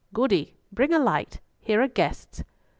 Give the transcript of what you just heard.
Goody! Bring a light! Here are guests!"